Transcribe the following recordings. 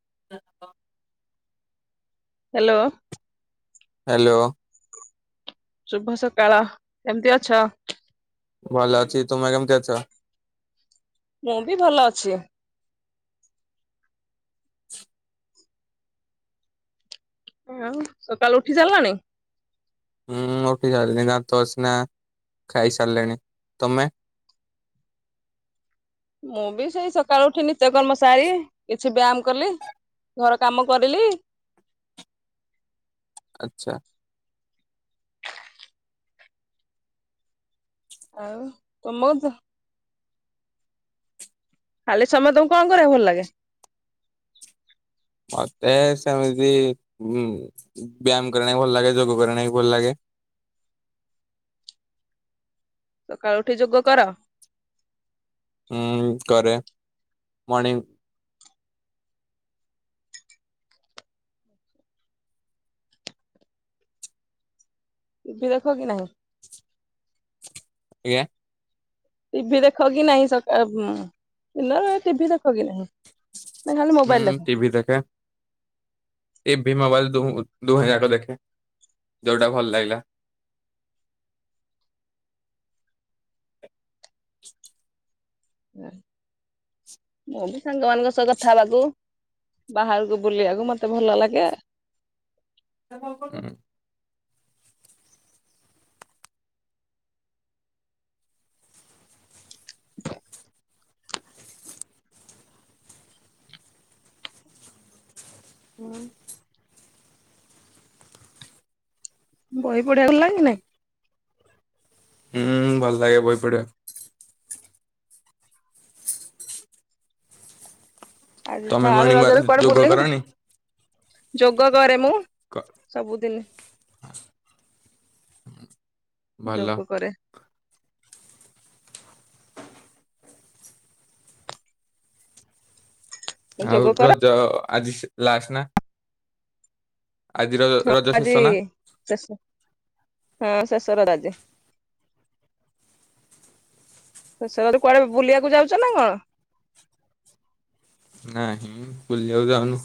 [unintelligible] Hello hello ଶୁଭ ସକାଳ କେମିତି ଅଛ? ଭଲ ଅଛି ତୁମ କେମିତି ଅଛ? ମୁଁ ବି ଭଲ ଅଛି। ଆଉ ସକାଳୁ ଉଠି ସାରଲଣି? ଉୁଁ ଉଠି ସାରିଲିନି ନା ତ ସିନା ଖାଇସାରିଲେଣି ତମେ? ମୁଁ ବି ସେଇ ସକାଳୁ ଉଠି ନିତ୍ୟକର୍ମ ସାରି କିଛି ବ୍ୟାୟାମ କଲି। ଘର କାମ କରିଲି। ଆଚ୍ଛା। ଆଉ ତମ ଖାଲି ସମୟେ ତମକୁ କଣ କରିବା ଭଲ ଲାଗେ? ମତେ ସେମିତି ଉ ବ୍ୟାୟାମ କରିବା ଭଲ ଲାଗେ ଯୋଗ କରିବା ନାଗି ଭଲ ଲାଗେ। ସକାଳୁ ଉଠି ଯୋଗ କର? ହୁଁ କରେ ମର୍ଣିଂ ଟି ଭି ଦେଖ କି ନାହିଁ? ଆଜ୍ଞା ଟି ଭି ଦେଖ କିି ନାହିଁ ସକାଳେ ଦିନ ଟି ଭି ଦେଖ କିି ନାହିଁ। ନା ଖାଲି ମୋବାଇଲ ହୁଁ ଦେଖ? ଟି ଭି ଦେଖେ। ଟି ଭି ମୋବାଇଲ ଦୁ-ଦୁହେଁ ଜାକ ଦେଖେ ଯୋଉଟା ଭଲ ଲାଗିଲା। ହ ମୁଁ ବି ସାଙ୍ଗମାନାନଙ୍କ ସହ କଥାବାବୁ ବାହାରକୁ ବୁଲିବାକୁ ମତେ ଭଲ ଲାଗେ। [unintelligible] ହଁ। ବହି ପଢିଆକୁ ଭଲ ଲାଗେ ନାଇଁ କି? ହୁଁ ଭଲ ଲାଗେ ବହି ପଢିବାକୁ। ଆଜି ତମେ ଥାଡେ ମର୍ଣ୍ଣିଂ ରଜରେ ୱାର୍କ କୁଆଡେ ଯୋଗ ବୁଲେଇବୁ କରନି? ଯୋଗ କରେ ମୁଁ କ ସବୁଦିନ ଭଲ ଯୋଗ କରେ। ଆଉ ଯୋଗ କର ରଜ ଆଜି ଲାଷ୍ଟ ନା ଆଜିର ରଜ ଆଜି ଶେଷ ନା? ଶେଷ ହଁ ଶେଷର ରଜ ଆଜି ସେ କୁଆଡେ ବୁଲିବାକୁ ଯାଉଛ ନା କଣ? ନାହିଁ ବୁଲିଆକୁ ଯାଉନୁ।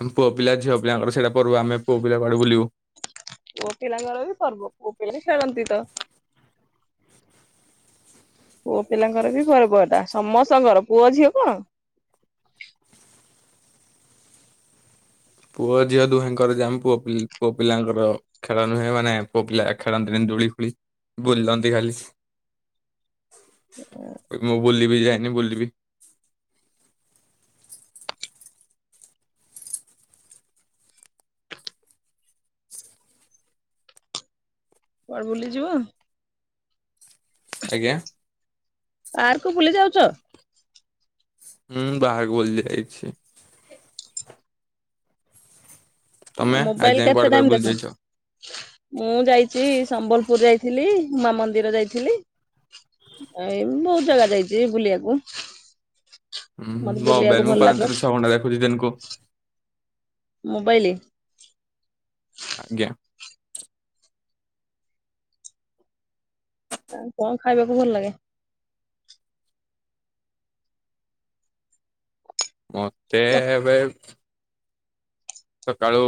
ଆମେ ପୁଅ ପିଲା ଝିଅ ପିଲାଙ୍କର ସେଇଟା ପଢିବୁ ଆମେ ପୁଅ ପିଲା କୁଆଡେ ବୁଲିବୁ? ପୁଅ ପିଲାଙ୍କର ବି ପର୍ବ ପିଲା ତ ଖେଳନ୍ତି ତ ପୁଅ ପିଲାଙ୍କର ବି ପର୍ବ ଏଇଟା ସମସ୍ତଙ୍କର ପୁଅ ଝିଅ କଣ? ପୁଅ ଝିଅ ଦୁହେଁଙ୍କର ଯେ ଆମ ପୁଅ ପିଲାଙ୍କର ଖେଳ ନୁହେଁ ମାନେ ପୁଅ ପିଲା ଖେଳନ୍ତିନି ଦୋଳି ଖୋଳି ବୁଲନ୍ତି ଖାଲି। ମୁଁ ବୁଲିବି ଯାଇନି ବୁଲିବି। କୁଆଡେ ବୁଲି ଯିବ? ଆଜ୍ଞା? ପାର୍କ କୁ ବୁଲି ଯାଉଚ? ମୁଁ ବାହାରକୁ ବୁଲି ଯାଇଛି। ତମେ ଆଜି ମୋବାଇଲ୍ ଯାଏଁ କୁଆଡେ କେତେ କୁଆଡେ ଟାଇମ୍ ବୁଲି ଦେଖ? ଯାଇଛ? ମୁଁ ଯାଇଚି ସମ୍ବଲପୁରୁ ଯାଇଥିଲି ହୁମା ମନ୍ଦିର ଯାଇଥିଲି। ଆ ଏଇ ବହୁତ୍ ଜାଗା ଯାଇଚି ବୁଲିବାକୁ। ହୁଁ ମତେ ବୁଲିବାକୁ ମୋବାଇଲ୍ ମୁଁ ଭଲ ଲାଗେ ପାଞ୍ଚରୁ ଛଅ ଘଟା ଦେଖୁଚି ଦିନକୁ। ମୋବାଇଲ୍। ଆଜ୍ଞା। ଆଉ କଣ ଖାଇବାକୁ ଭଲ ଲାଗେ? ମତେ ଏବେ ସକାଳୁ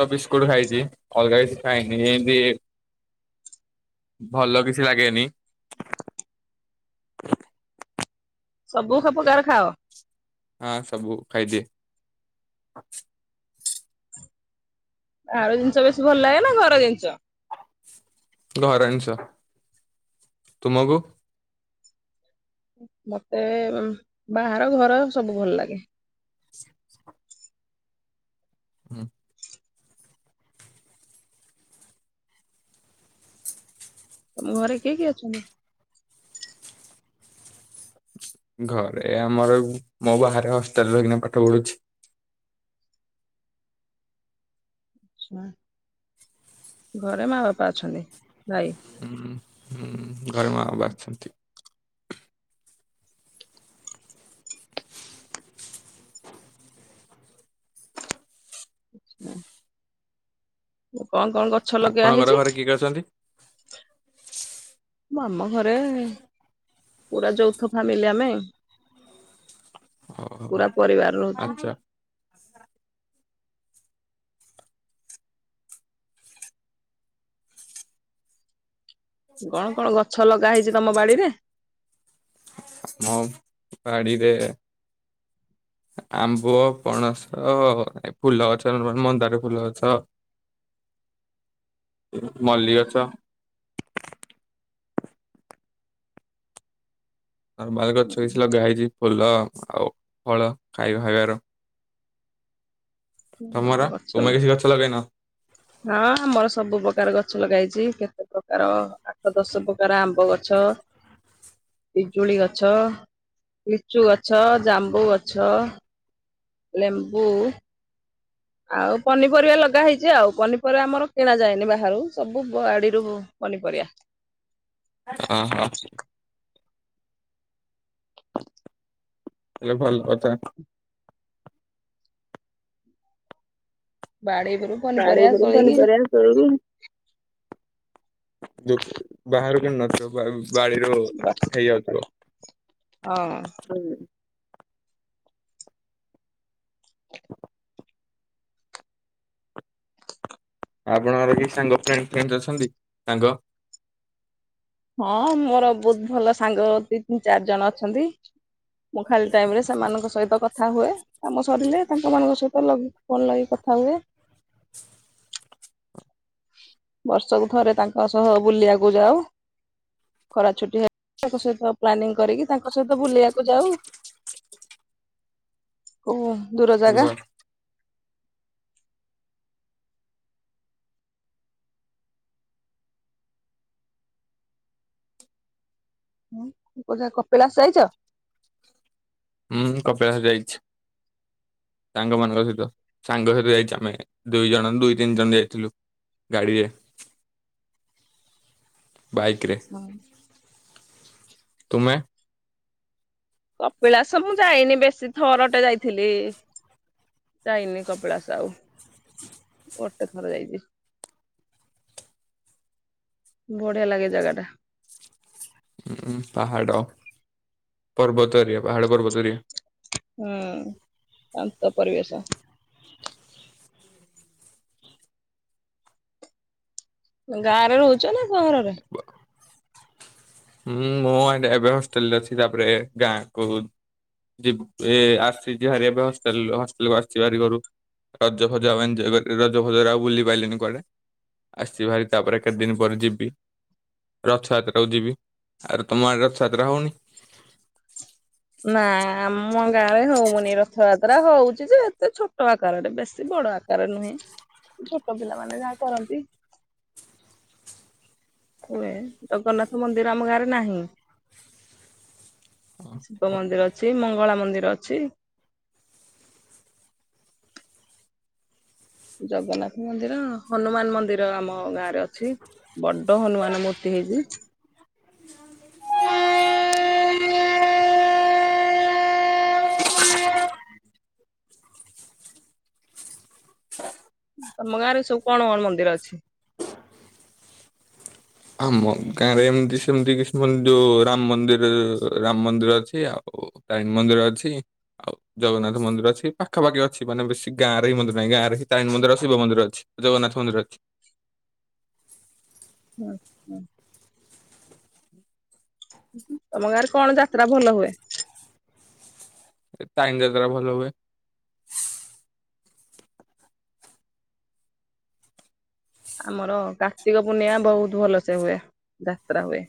ତ ବିସ୍କୁଟ୍ ଖାଇଚି ଅଲଗା କିଛି ଖାଇନି ଏମତି। ଭଲ କିଛି ଲାଗେନି। ସବୁ ସବୁ ପକାର ଖାଅ? ହଁ ସବୁ ଖାଇଚି। ବହାର ଜିନିଷ ବେଶୀ ଭଲ ଲାଗେ ନା ଘର ଜିନିଷ? ଘରଜିନିଷ ତୁମକୁ? ମତେ ବାହାର ଘର ସବୁ ଭଲ ଲାଗେ। ହୁଁ। ତମ ଘରେ କିଏ କିଏ ଅଛନ୍ତି? ଘରେ ଆମର ମୋ ବାହାରେ ହଷ୍ଟେଲ୍ ରହିକିନା ପାଠ ପଢୁଛି। ଘରେ ମା ବାପା ଅଛନ୍ତି ଭାଇ? ହୁଁ ହୁଁ ଘରେ ମା ବାବା ଆସିଛନ୍ତି। [inaudible] କଣ କଣ କରୁଚ? ଆପଣଙ୍କର ଘରେ କିଏ କିଏ ଅଛନ୍ତି? ମୁଁ ଆମ ଘରେ ପୁରା ଯୌଥ ଫାମିଲି ଆମେ। ଓହୋ ପୂରା ପରିବାର ରହୁଛୁ। ଆଚ୍ଛା କଣ କଣ ଗଛ ଲଗା ହେଇଚି ତମ ବାଡିରେ? ମୁଁ ବାଡିରେ। ଆମ୍ବ ପଣସ ଫୁଲ ଗଛ ମନ୍ଦାର ଫୁଲ ଗଛ। ମଲ୍ଲୀ ଗଛ। ନର୍ମାଲ ଗଛ କିଛି ଲଗାହେଇଛି ଫୁଲ ଆଉ ଫଳ ଖାଇବା ଖାଇବାର। ତମର ଗଛ ତୁମେ କିଛି ଗଛ ଲଗେଇନଁ? ହଁ ଆମର ସବୁ ପ୍ରକାର ଗଛ ଲଗା ହେଇଚି କେତେ ପ୍ରକାର ଆଠ ଦଶ ପ୍ରକାର ଆମ୍ବ ଗଛ। ପିଜୁଳି ଗଛ, ଲିଚୁ ଗଛ, ଜାମ୍ବୁ ଗଛ। ଲେମ୍ବୁ। ଆଉ ପନିପରିବା ଲଗା ହେଇଚି ଆଉ ପନିପରିବା ଆମର କିଣା ଯାଏନି ବାହାରୁ ସବୁ ବାଡିରୁ। ପନିପରିବା। ଅଁ ହଁ। ହେଲେ ଭଲ୍ କଥା। ବାଡିକୁରୁ ବାଡିକୁରୁ ପନିପରିବା। ଟେରିଙ୍ଗ ଯୋଉ ବାହାରୁ କିଣୁ ନଥିବେ? ବା ବାଡିରୁ ହେଇ ଯାଉଥିବ। ହଁ ହୁଁ। ଆପଣଙ୍କର କେହି ସାଙ୍ଗ ଫ୍ରେଣ୍ଡ୍ ଫ୍ରେଣ୍ଡ୍ ଅଛନ୍ତି? ସାଙ୍ଗ ହଁ ମୋର ବହୁତ ଭଲ ସାଙ୍ଗ ଦି ତିନି ଚାରି ଜଣ ଅଛନ୍ତି। ମୁଁ ଖାଲି ଟାଇମ୍ ରେ ସେମାନଙ୍କ ସହିତ କଥା ହୁଏ। କାମ ସରିଲେ ତାଙ୍କ ମାନଙ୍କ ସହିତ ଲଗେ ଫୋନ ଲଗେଇ କଥା ହୁଏ। ବର୍ଷକୁ ଥରେ ତାଙ୍କ ସହ ବୁଲିବାକୁ ଯାଉ। ଖରା ଛୁଟି ହେ ତାଙ୍କ ସହିତ ପ୍ଲାନିଂ କରିକି ତାଙ୍କ ସହିତ ବୁଲିବାକୁ ଯାଉ। ଓ ଦୂର ଜାଗା? ଉଁ ପୁରା କପିଳାସ ଯାଇଚ? ଉଁ ହୁଁ କପିଳାସ ଯାଇଛି। ସାଙ୍ଗମାନାନଙ୍କ ସହିତ, ସାଙ୍ଗ ସହିତ ଯାଇଚୁ ଆମେ ଦୁଇ ଜଣ ଦୁଇ ତିନି ଜଣ ଯାଇଥିଲୁ। ଗାଡିରେ। ବାଇକରେ, ତୁମେ? କପିଳାସ ମୁଁ ଯାଇନି ବେଶୀ ଥର ଟେ ଯାଇଥିଲି। ଯାଇନି କପିଳାସ ଆଉ। ଗୋଟେ ଥର ଯାଇଛି। ବଢିଆ ଲାଗେ ଜାଗା ଟା। ଉଁଁ ପାହାଡ଼ ପର୍ବତ ଏରିଆ ପାହାଡ଼ ପର୍ବତଏରିଆ। ହୁଁ, ଶାନ୍ତ ପରିବେଶ। ଗାଁ ରେ ରହୁଛ ନା ସହରରେ? ଉଁ ମୁଁ ଏବେ ହଷ୍ଟେଲ ରେ ଅଛି ତାପରେ ଗାଁ କୁ ଯିବ୍ ଏ ଆସିଛି ବାହାରି ଏବେ ହଷ୍ଟେଲରୁ ହଷ୍ଟେଲରୁ ଆସିଛି ବାହାରି ଘରୁ। ରଜ ଫଜ ଆଉ ଏଞ୍ଜୟ୍ କରି ପା ରଜ ଫଜରେ ଆଉ ବୁଲି ପାଇଲିନି କୁଆଡେ। ଆସଛି ଭାରି ତାପରେ କେତେ ଦିନ ପରେ ଯିବି, ରଥଯାତ୍ରା କୁ ଯିବି। ଆରେ ତମ ଆଡେ ରଥଯାତ୍ରା ହଉନି? ନାଁ, ଆମ ଗାଁ ରେ ହଉନି ରଥଯାତ୍ରା ହଉଛି ଯେ ଏତେ ଛୋଟ ଆକାରରେ ବେଶୀ ବଡ ଆକା କାର ନୁହେଁ ଏଇ ଛୋଟ ପିଲାମାନେ ଯାହା କରନ୍ତି। ହୁଏ, ଜଗନ୍ନାଥ ମନ୍ଦିର ଆମ ଗାଁରେ ନାହିଁ। ଶିବ ମନ୍ଦିର ଅଛି, ମଙ୍ଗଳା ମନ୍ଦିର ଅଛି। ଜଗନ୍ନାଥ ମନ୍ଦିର, ହନୁମାନ ମନ୍ଦିର ଆମ ଗାଁରେ ଅଛି। ବଡ ହନୁମାନ ମୂର୍ତ୍ତି ହେଇଛି। ତମ ଗାଁ ରେ ସବୁ କଣ କଣ ମନ୍ଦିର ଅଛି? ଆମ ଗାଁରେ ଏମିତି ସେମତି କିଛି ମନ୍ଦ ଯୋଉ ରାମ ମନ୍ଦିର ରାମ ମନ୍ଦିର ଅଛି ଆଉ। ତାରିଣୀ ମନ୍ଦିର ଅଛି ଆଉ ଜଗନ୍ନାଥ ମନ୍ଦିର ଅଛି ଏଇ ପାଖାପାଖି ଅଛି ମାନେ ବେଶୀ ଗାଁ ରେ ବି ମନ୍ଦିର ନାହିଁ ଗାଁ ରେ ସେଇ ତାରିଣୀ ମନ୍ଦିର ଆଉ ଶିବ ମନ୍ଦିର ଅଛି। ଜଗନ୍ନାଥ ମନ୍ଦିର ଅଛି। ହୁଁ ହୁଁ। ତମ ଗାଁରେ କଣ ଯାତ୍ରା ଭଲ ହୁଏ? ତାରିନି ଯାତ୍ରା ଭଲ ହୁଏ। ଆମର କାର୍ତ୍ତିକ ପୂର୍ଣିମା ବହୁତ ଭଲ ସେ ହୁଏ ଯାତ୍ରା ହୁଏ।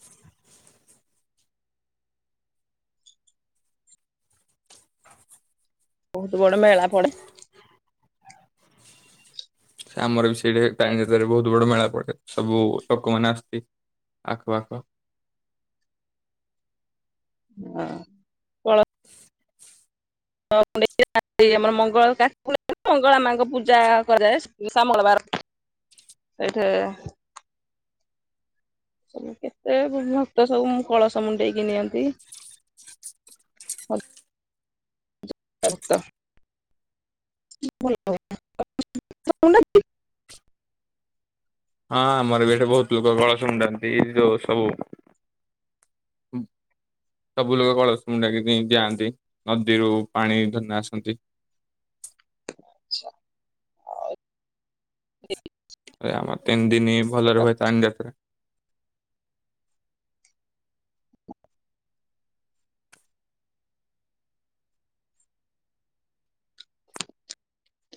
ବହୁତ ବଡ ମେଳା ପଡେ। ଆମର ବି ସେଇ ତାରିଣୀ ଯାତ୍ରାରେ ବହୁତ ବଡ ମେଳା ପଡେ ସବୁ ଲୋକମାନେ ଆସନ୍ତି। ଆଖ ପାଖ ଅ [unintelligible] ମଙ୍ଗଳା ମାଙ୍କ ପୂଜା କରାଯାଏ ସମବର ସେଇଠି। ସବୁ କେତେ ଭକ୍ତ ସବୁ କଳସ ମୁଣ୍ଡେଇକି ନିଅନ୍ତି। [inaudible] [unintelligible] ହଁ ଆମର ବି ଏଠି ବହୁତ ଲୋକ କଳସମୁଣ୍ଡାନ୍ତି ଏଇ ଯୋଉ ସବୁ ହୁଁ ସବୁ ଲୋକ କଳସ ମୁଣ୍ଡାଇକି ଯାଆନ୍ତି ନଦୀରୁ ପାଣି ଧରିକିନା ଆସନ୍ତି। ଆମର ତିନି ଦିନି ଭଲରେ ହୁଏ ତାରିଣୀ ଯାତ୍ରା।